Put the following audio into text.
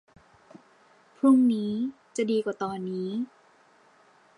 พรุ่งนี้จะดีกว่าตอนนี้